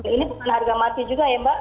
ini bukan harga mati juga ya mbak